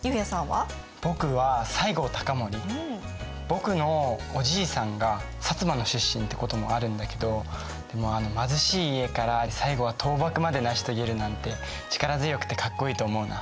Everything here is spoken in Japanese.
僕のおじいさんが摩の出身ってこともあるんだけど貧しい家から最後は倒幕まで成し遂げるなんて力強くてかっこいいと思うな。